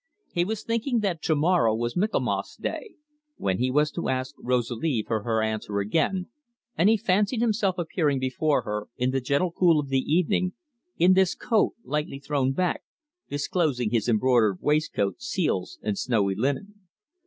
He was thinking that to morrow was Michaelmas day, when he was to ask Rosalie for her answer again, and he fancied himself appearing before her in the gentle cool of the evening, in this coat, lightly thrown back, disclosing his embroidered waistcoat, seals, and snowy linen.